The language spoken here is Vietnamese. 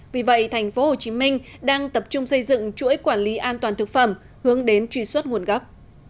vì vậy tp hcm đang tập trung xây dựng chuỗi quản lý an toàn thực phẩm hướng đến truy xuất nguồn gốc